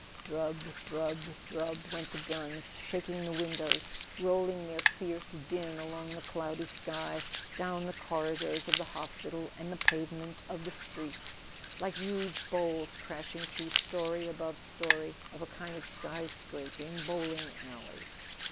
Drub, drub, drub, went the guns, shaking the windows, rolling their fierce din along the cloudy sky, down the corridors of the hospital and the pave¬ ment of the streets, like huge bowls crashing through story above story of a kind of sky scraping bowling alley.